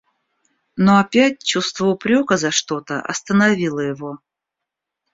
Но опять чувство упрека за что-то остановило его.